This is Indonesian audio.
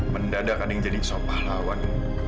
mendadak ada yang jadi sopah lawan